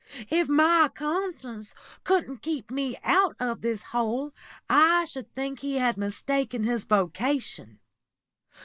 If my conscience couldn't keep me out of this hole I should think he had mistaken his vocation.